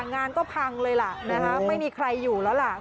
งานก็พังเลยล่ะนะคะไม่มีใครอยู่แล้วล่ะ